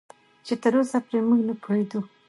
چې تراوسه پرې موږ نه پوهېدو